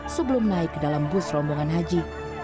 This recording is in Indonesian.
sebelum naik ke dalam bus rombongan haji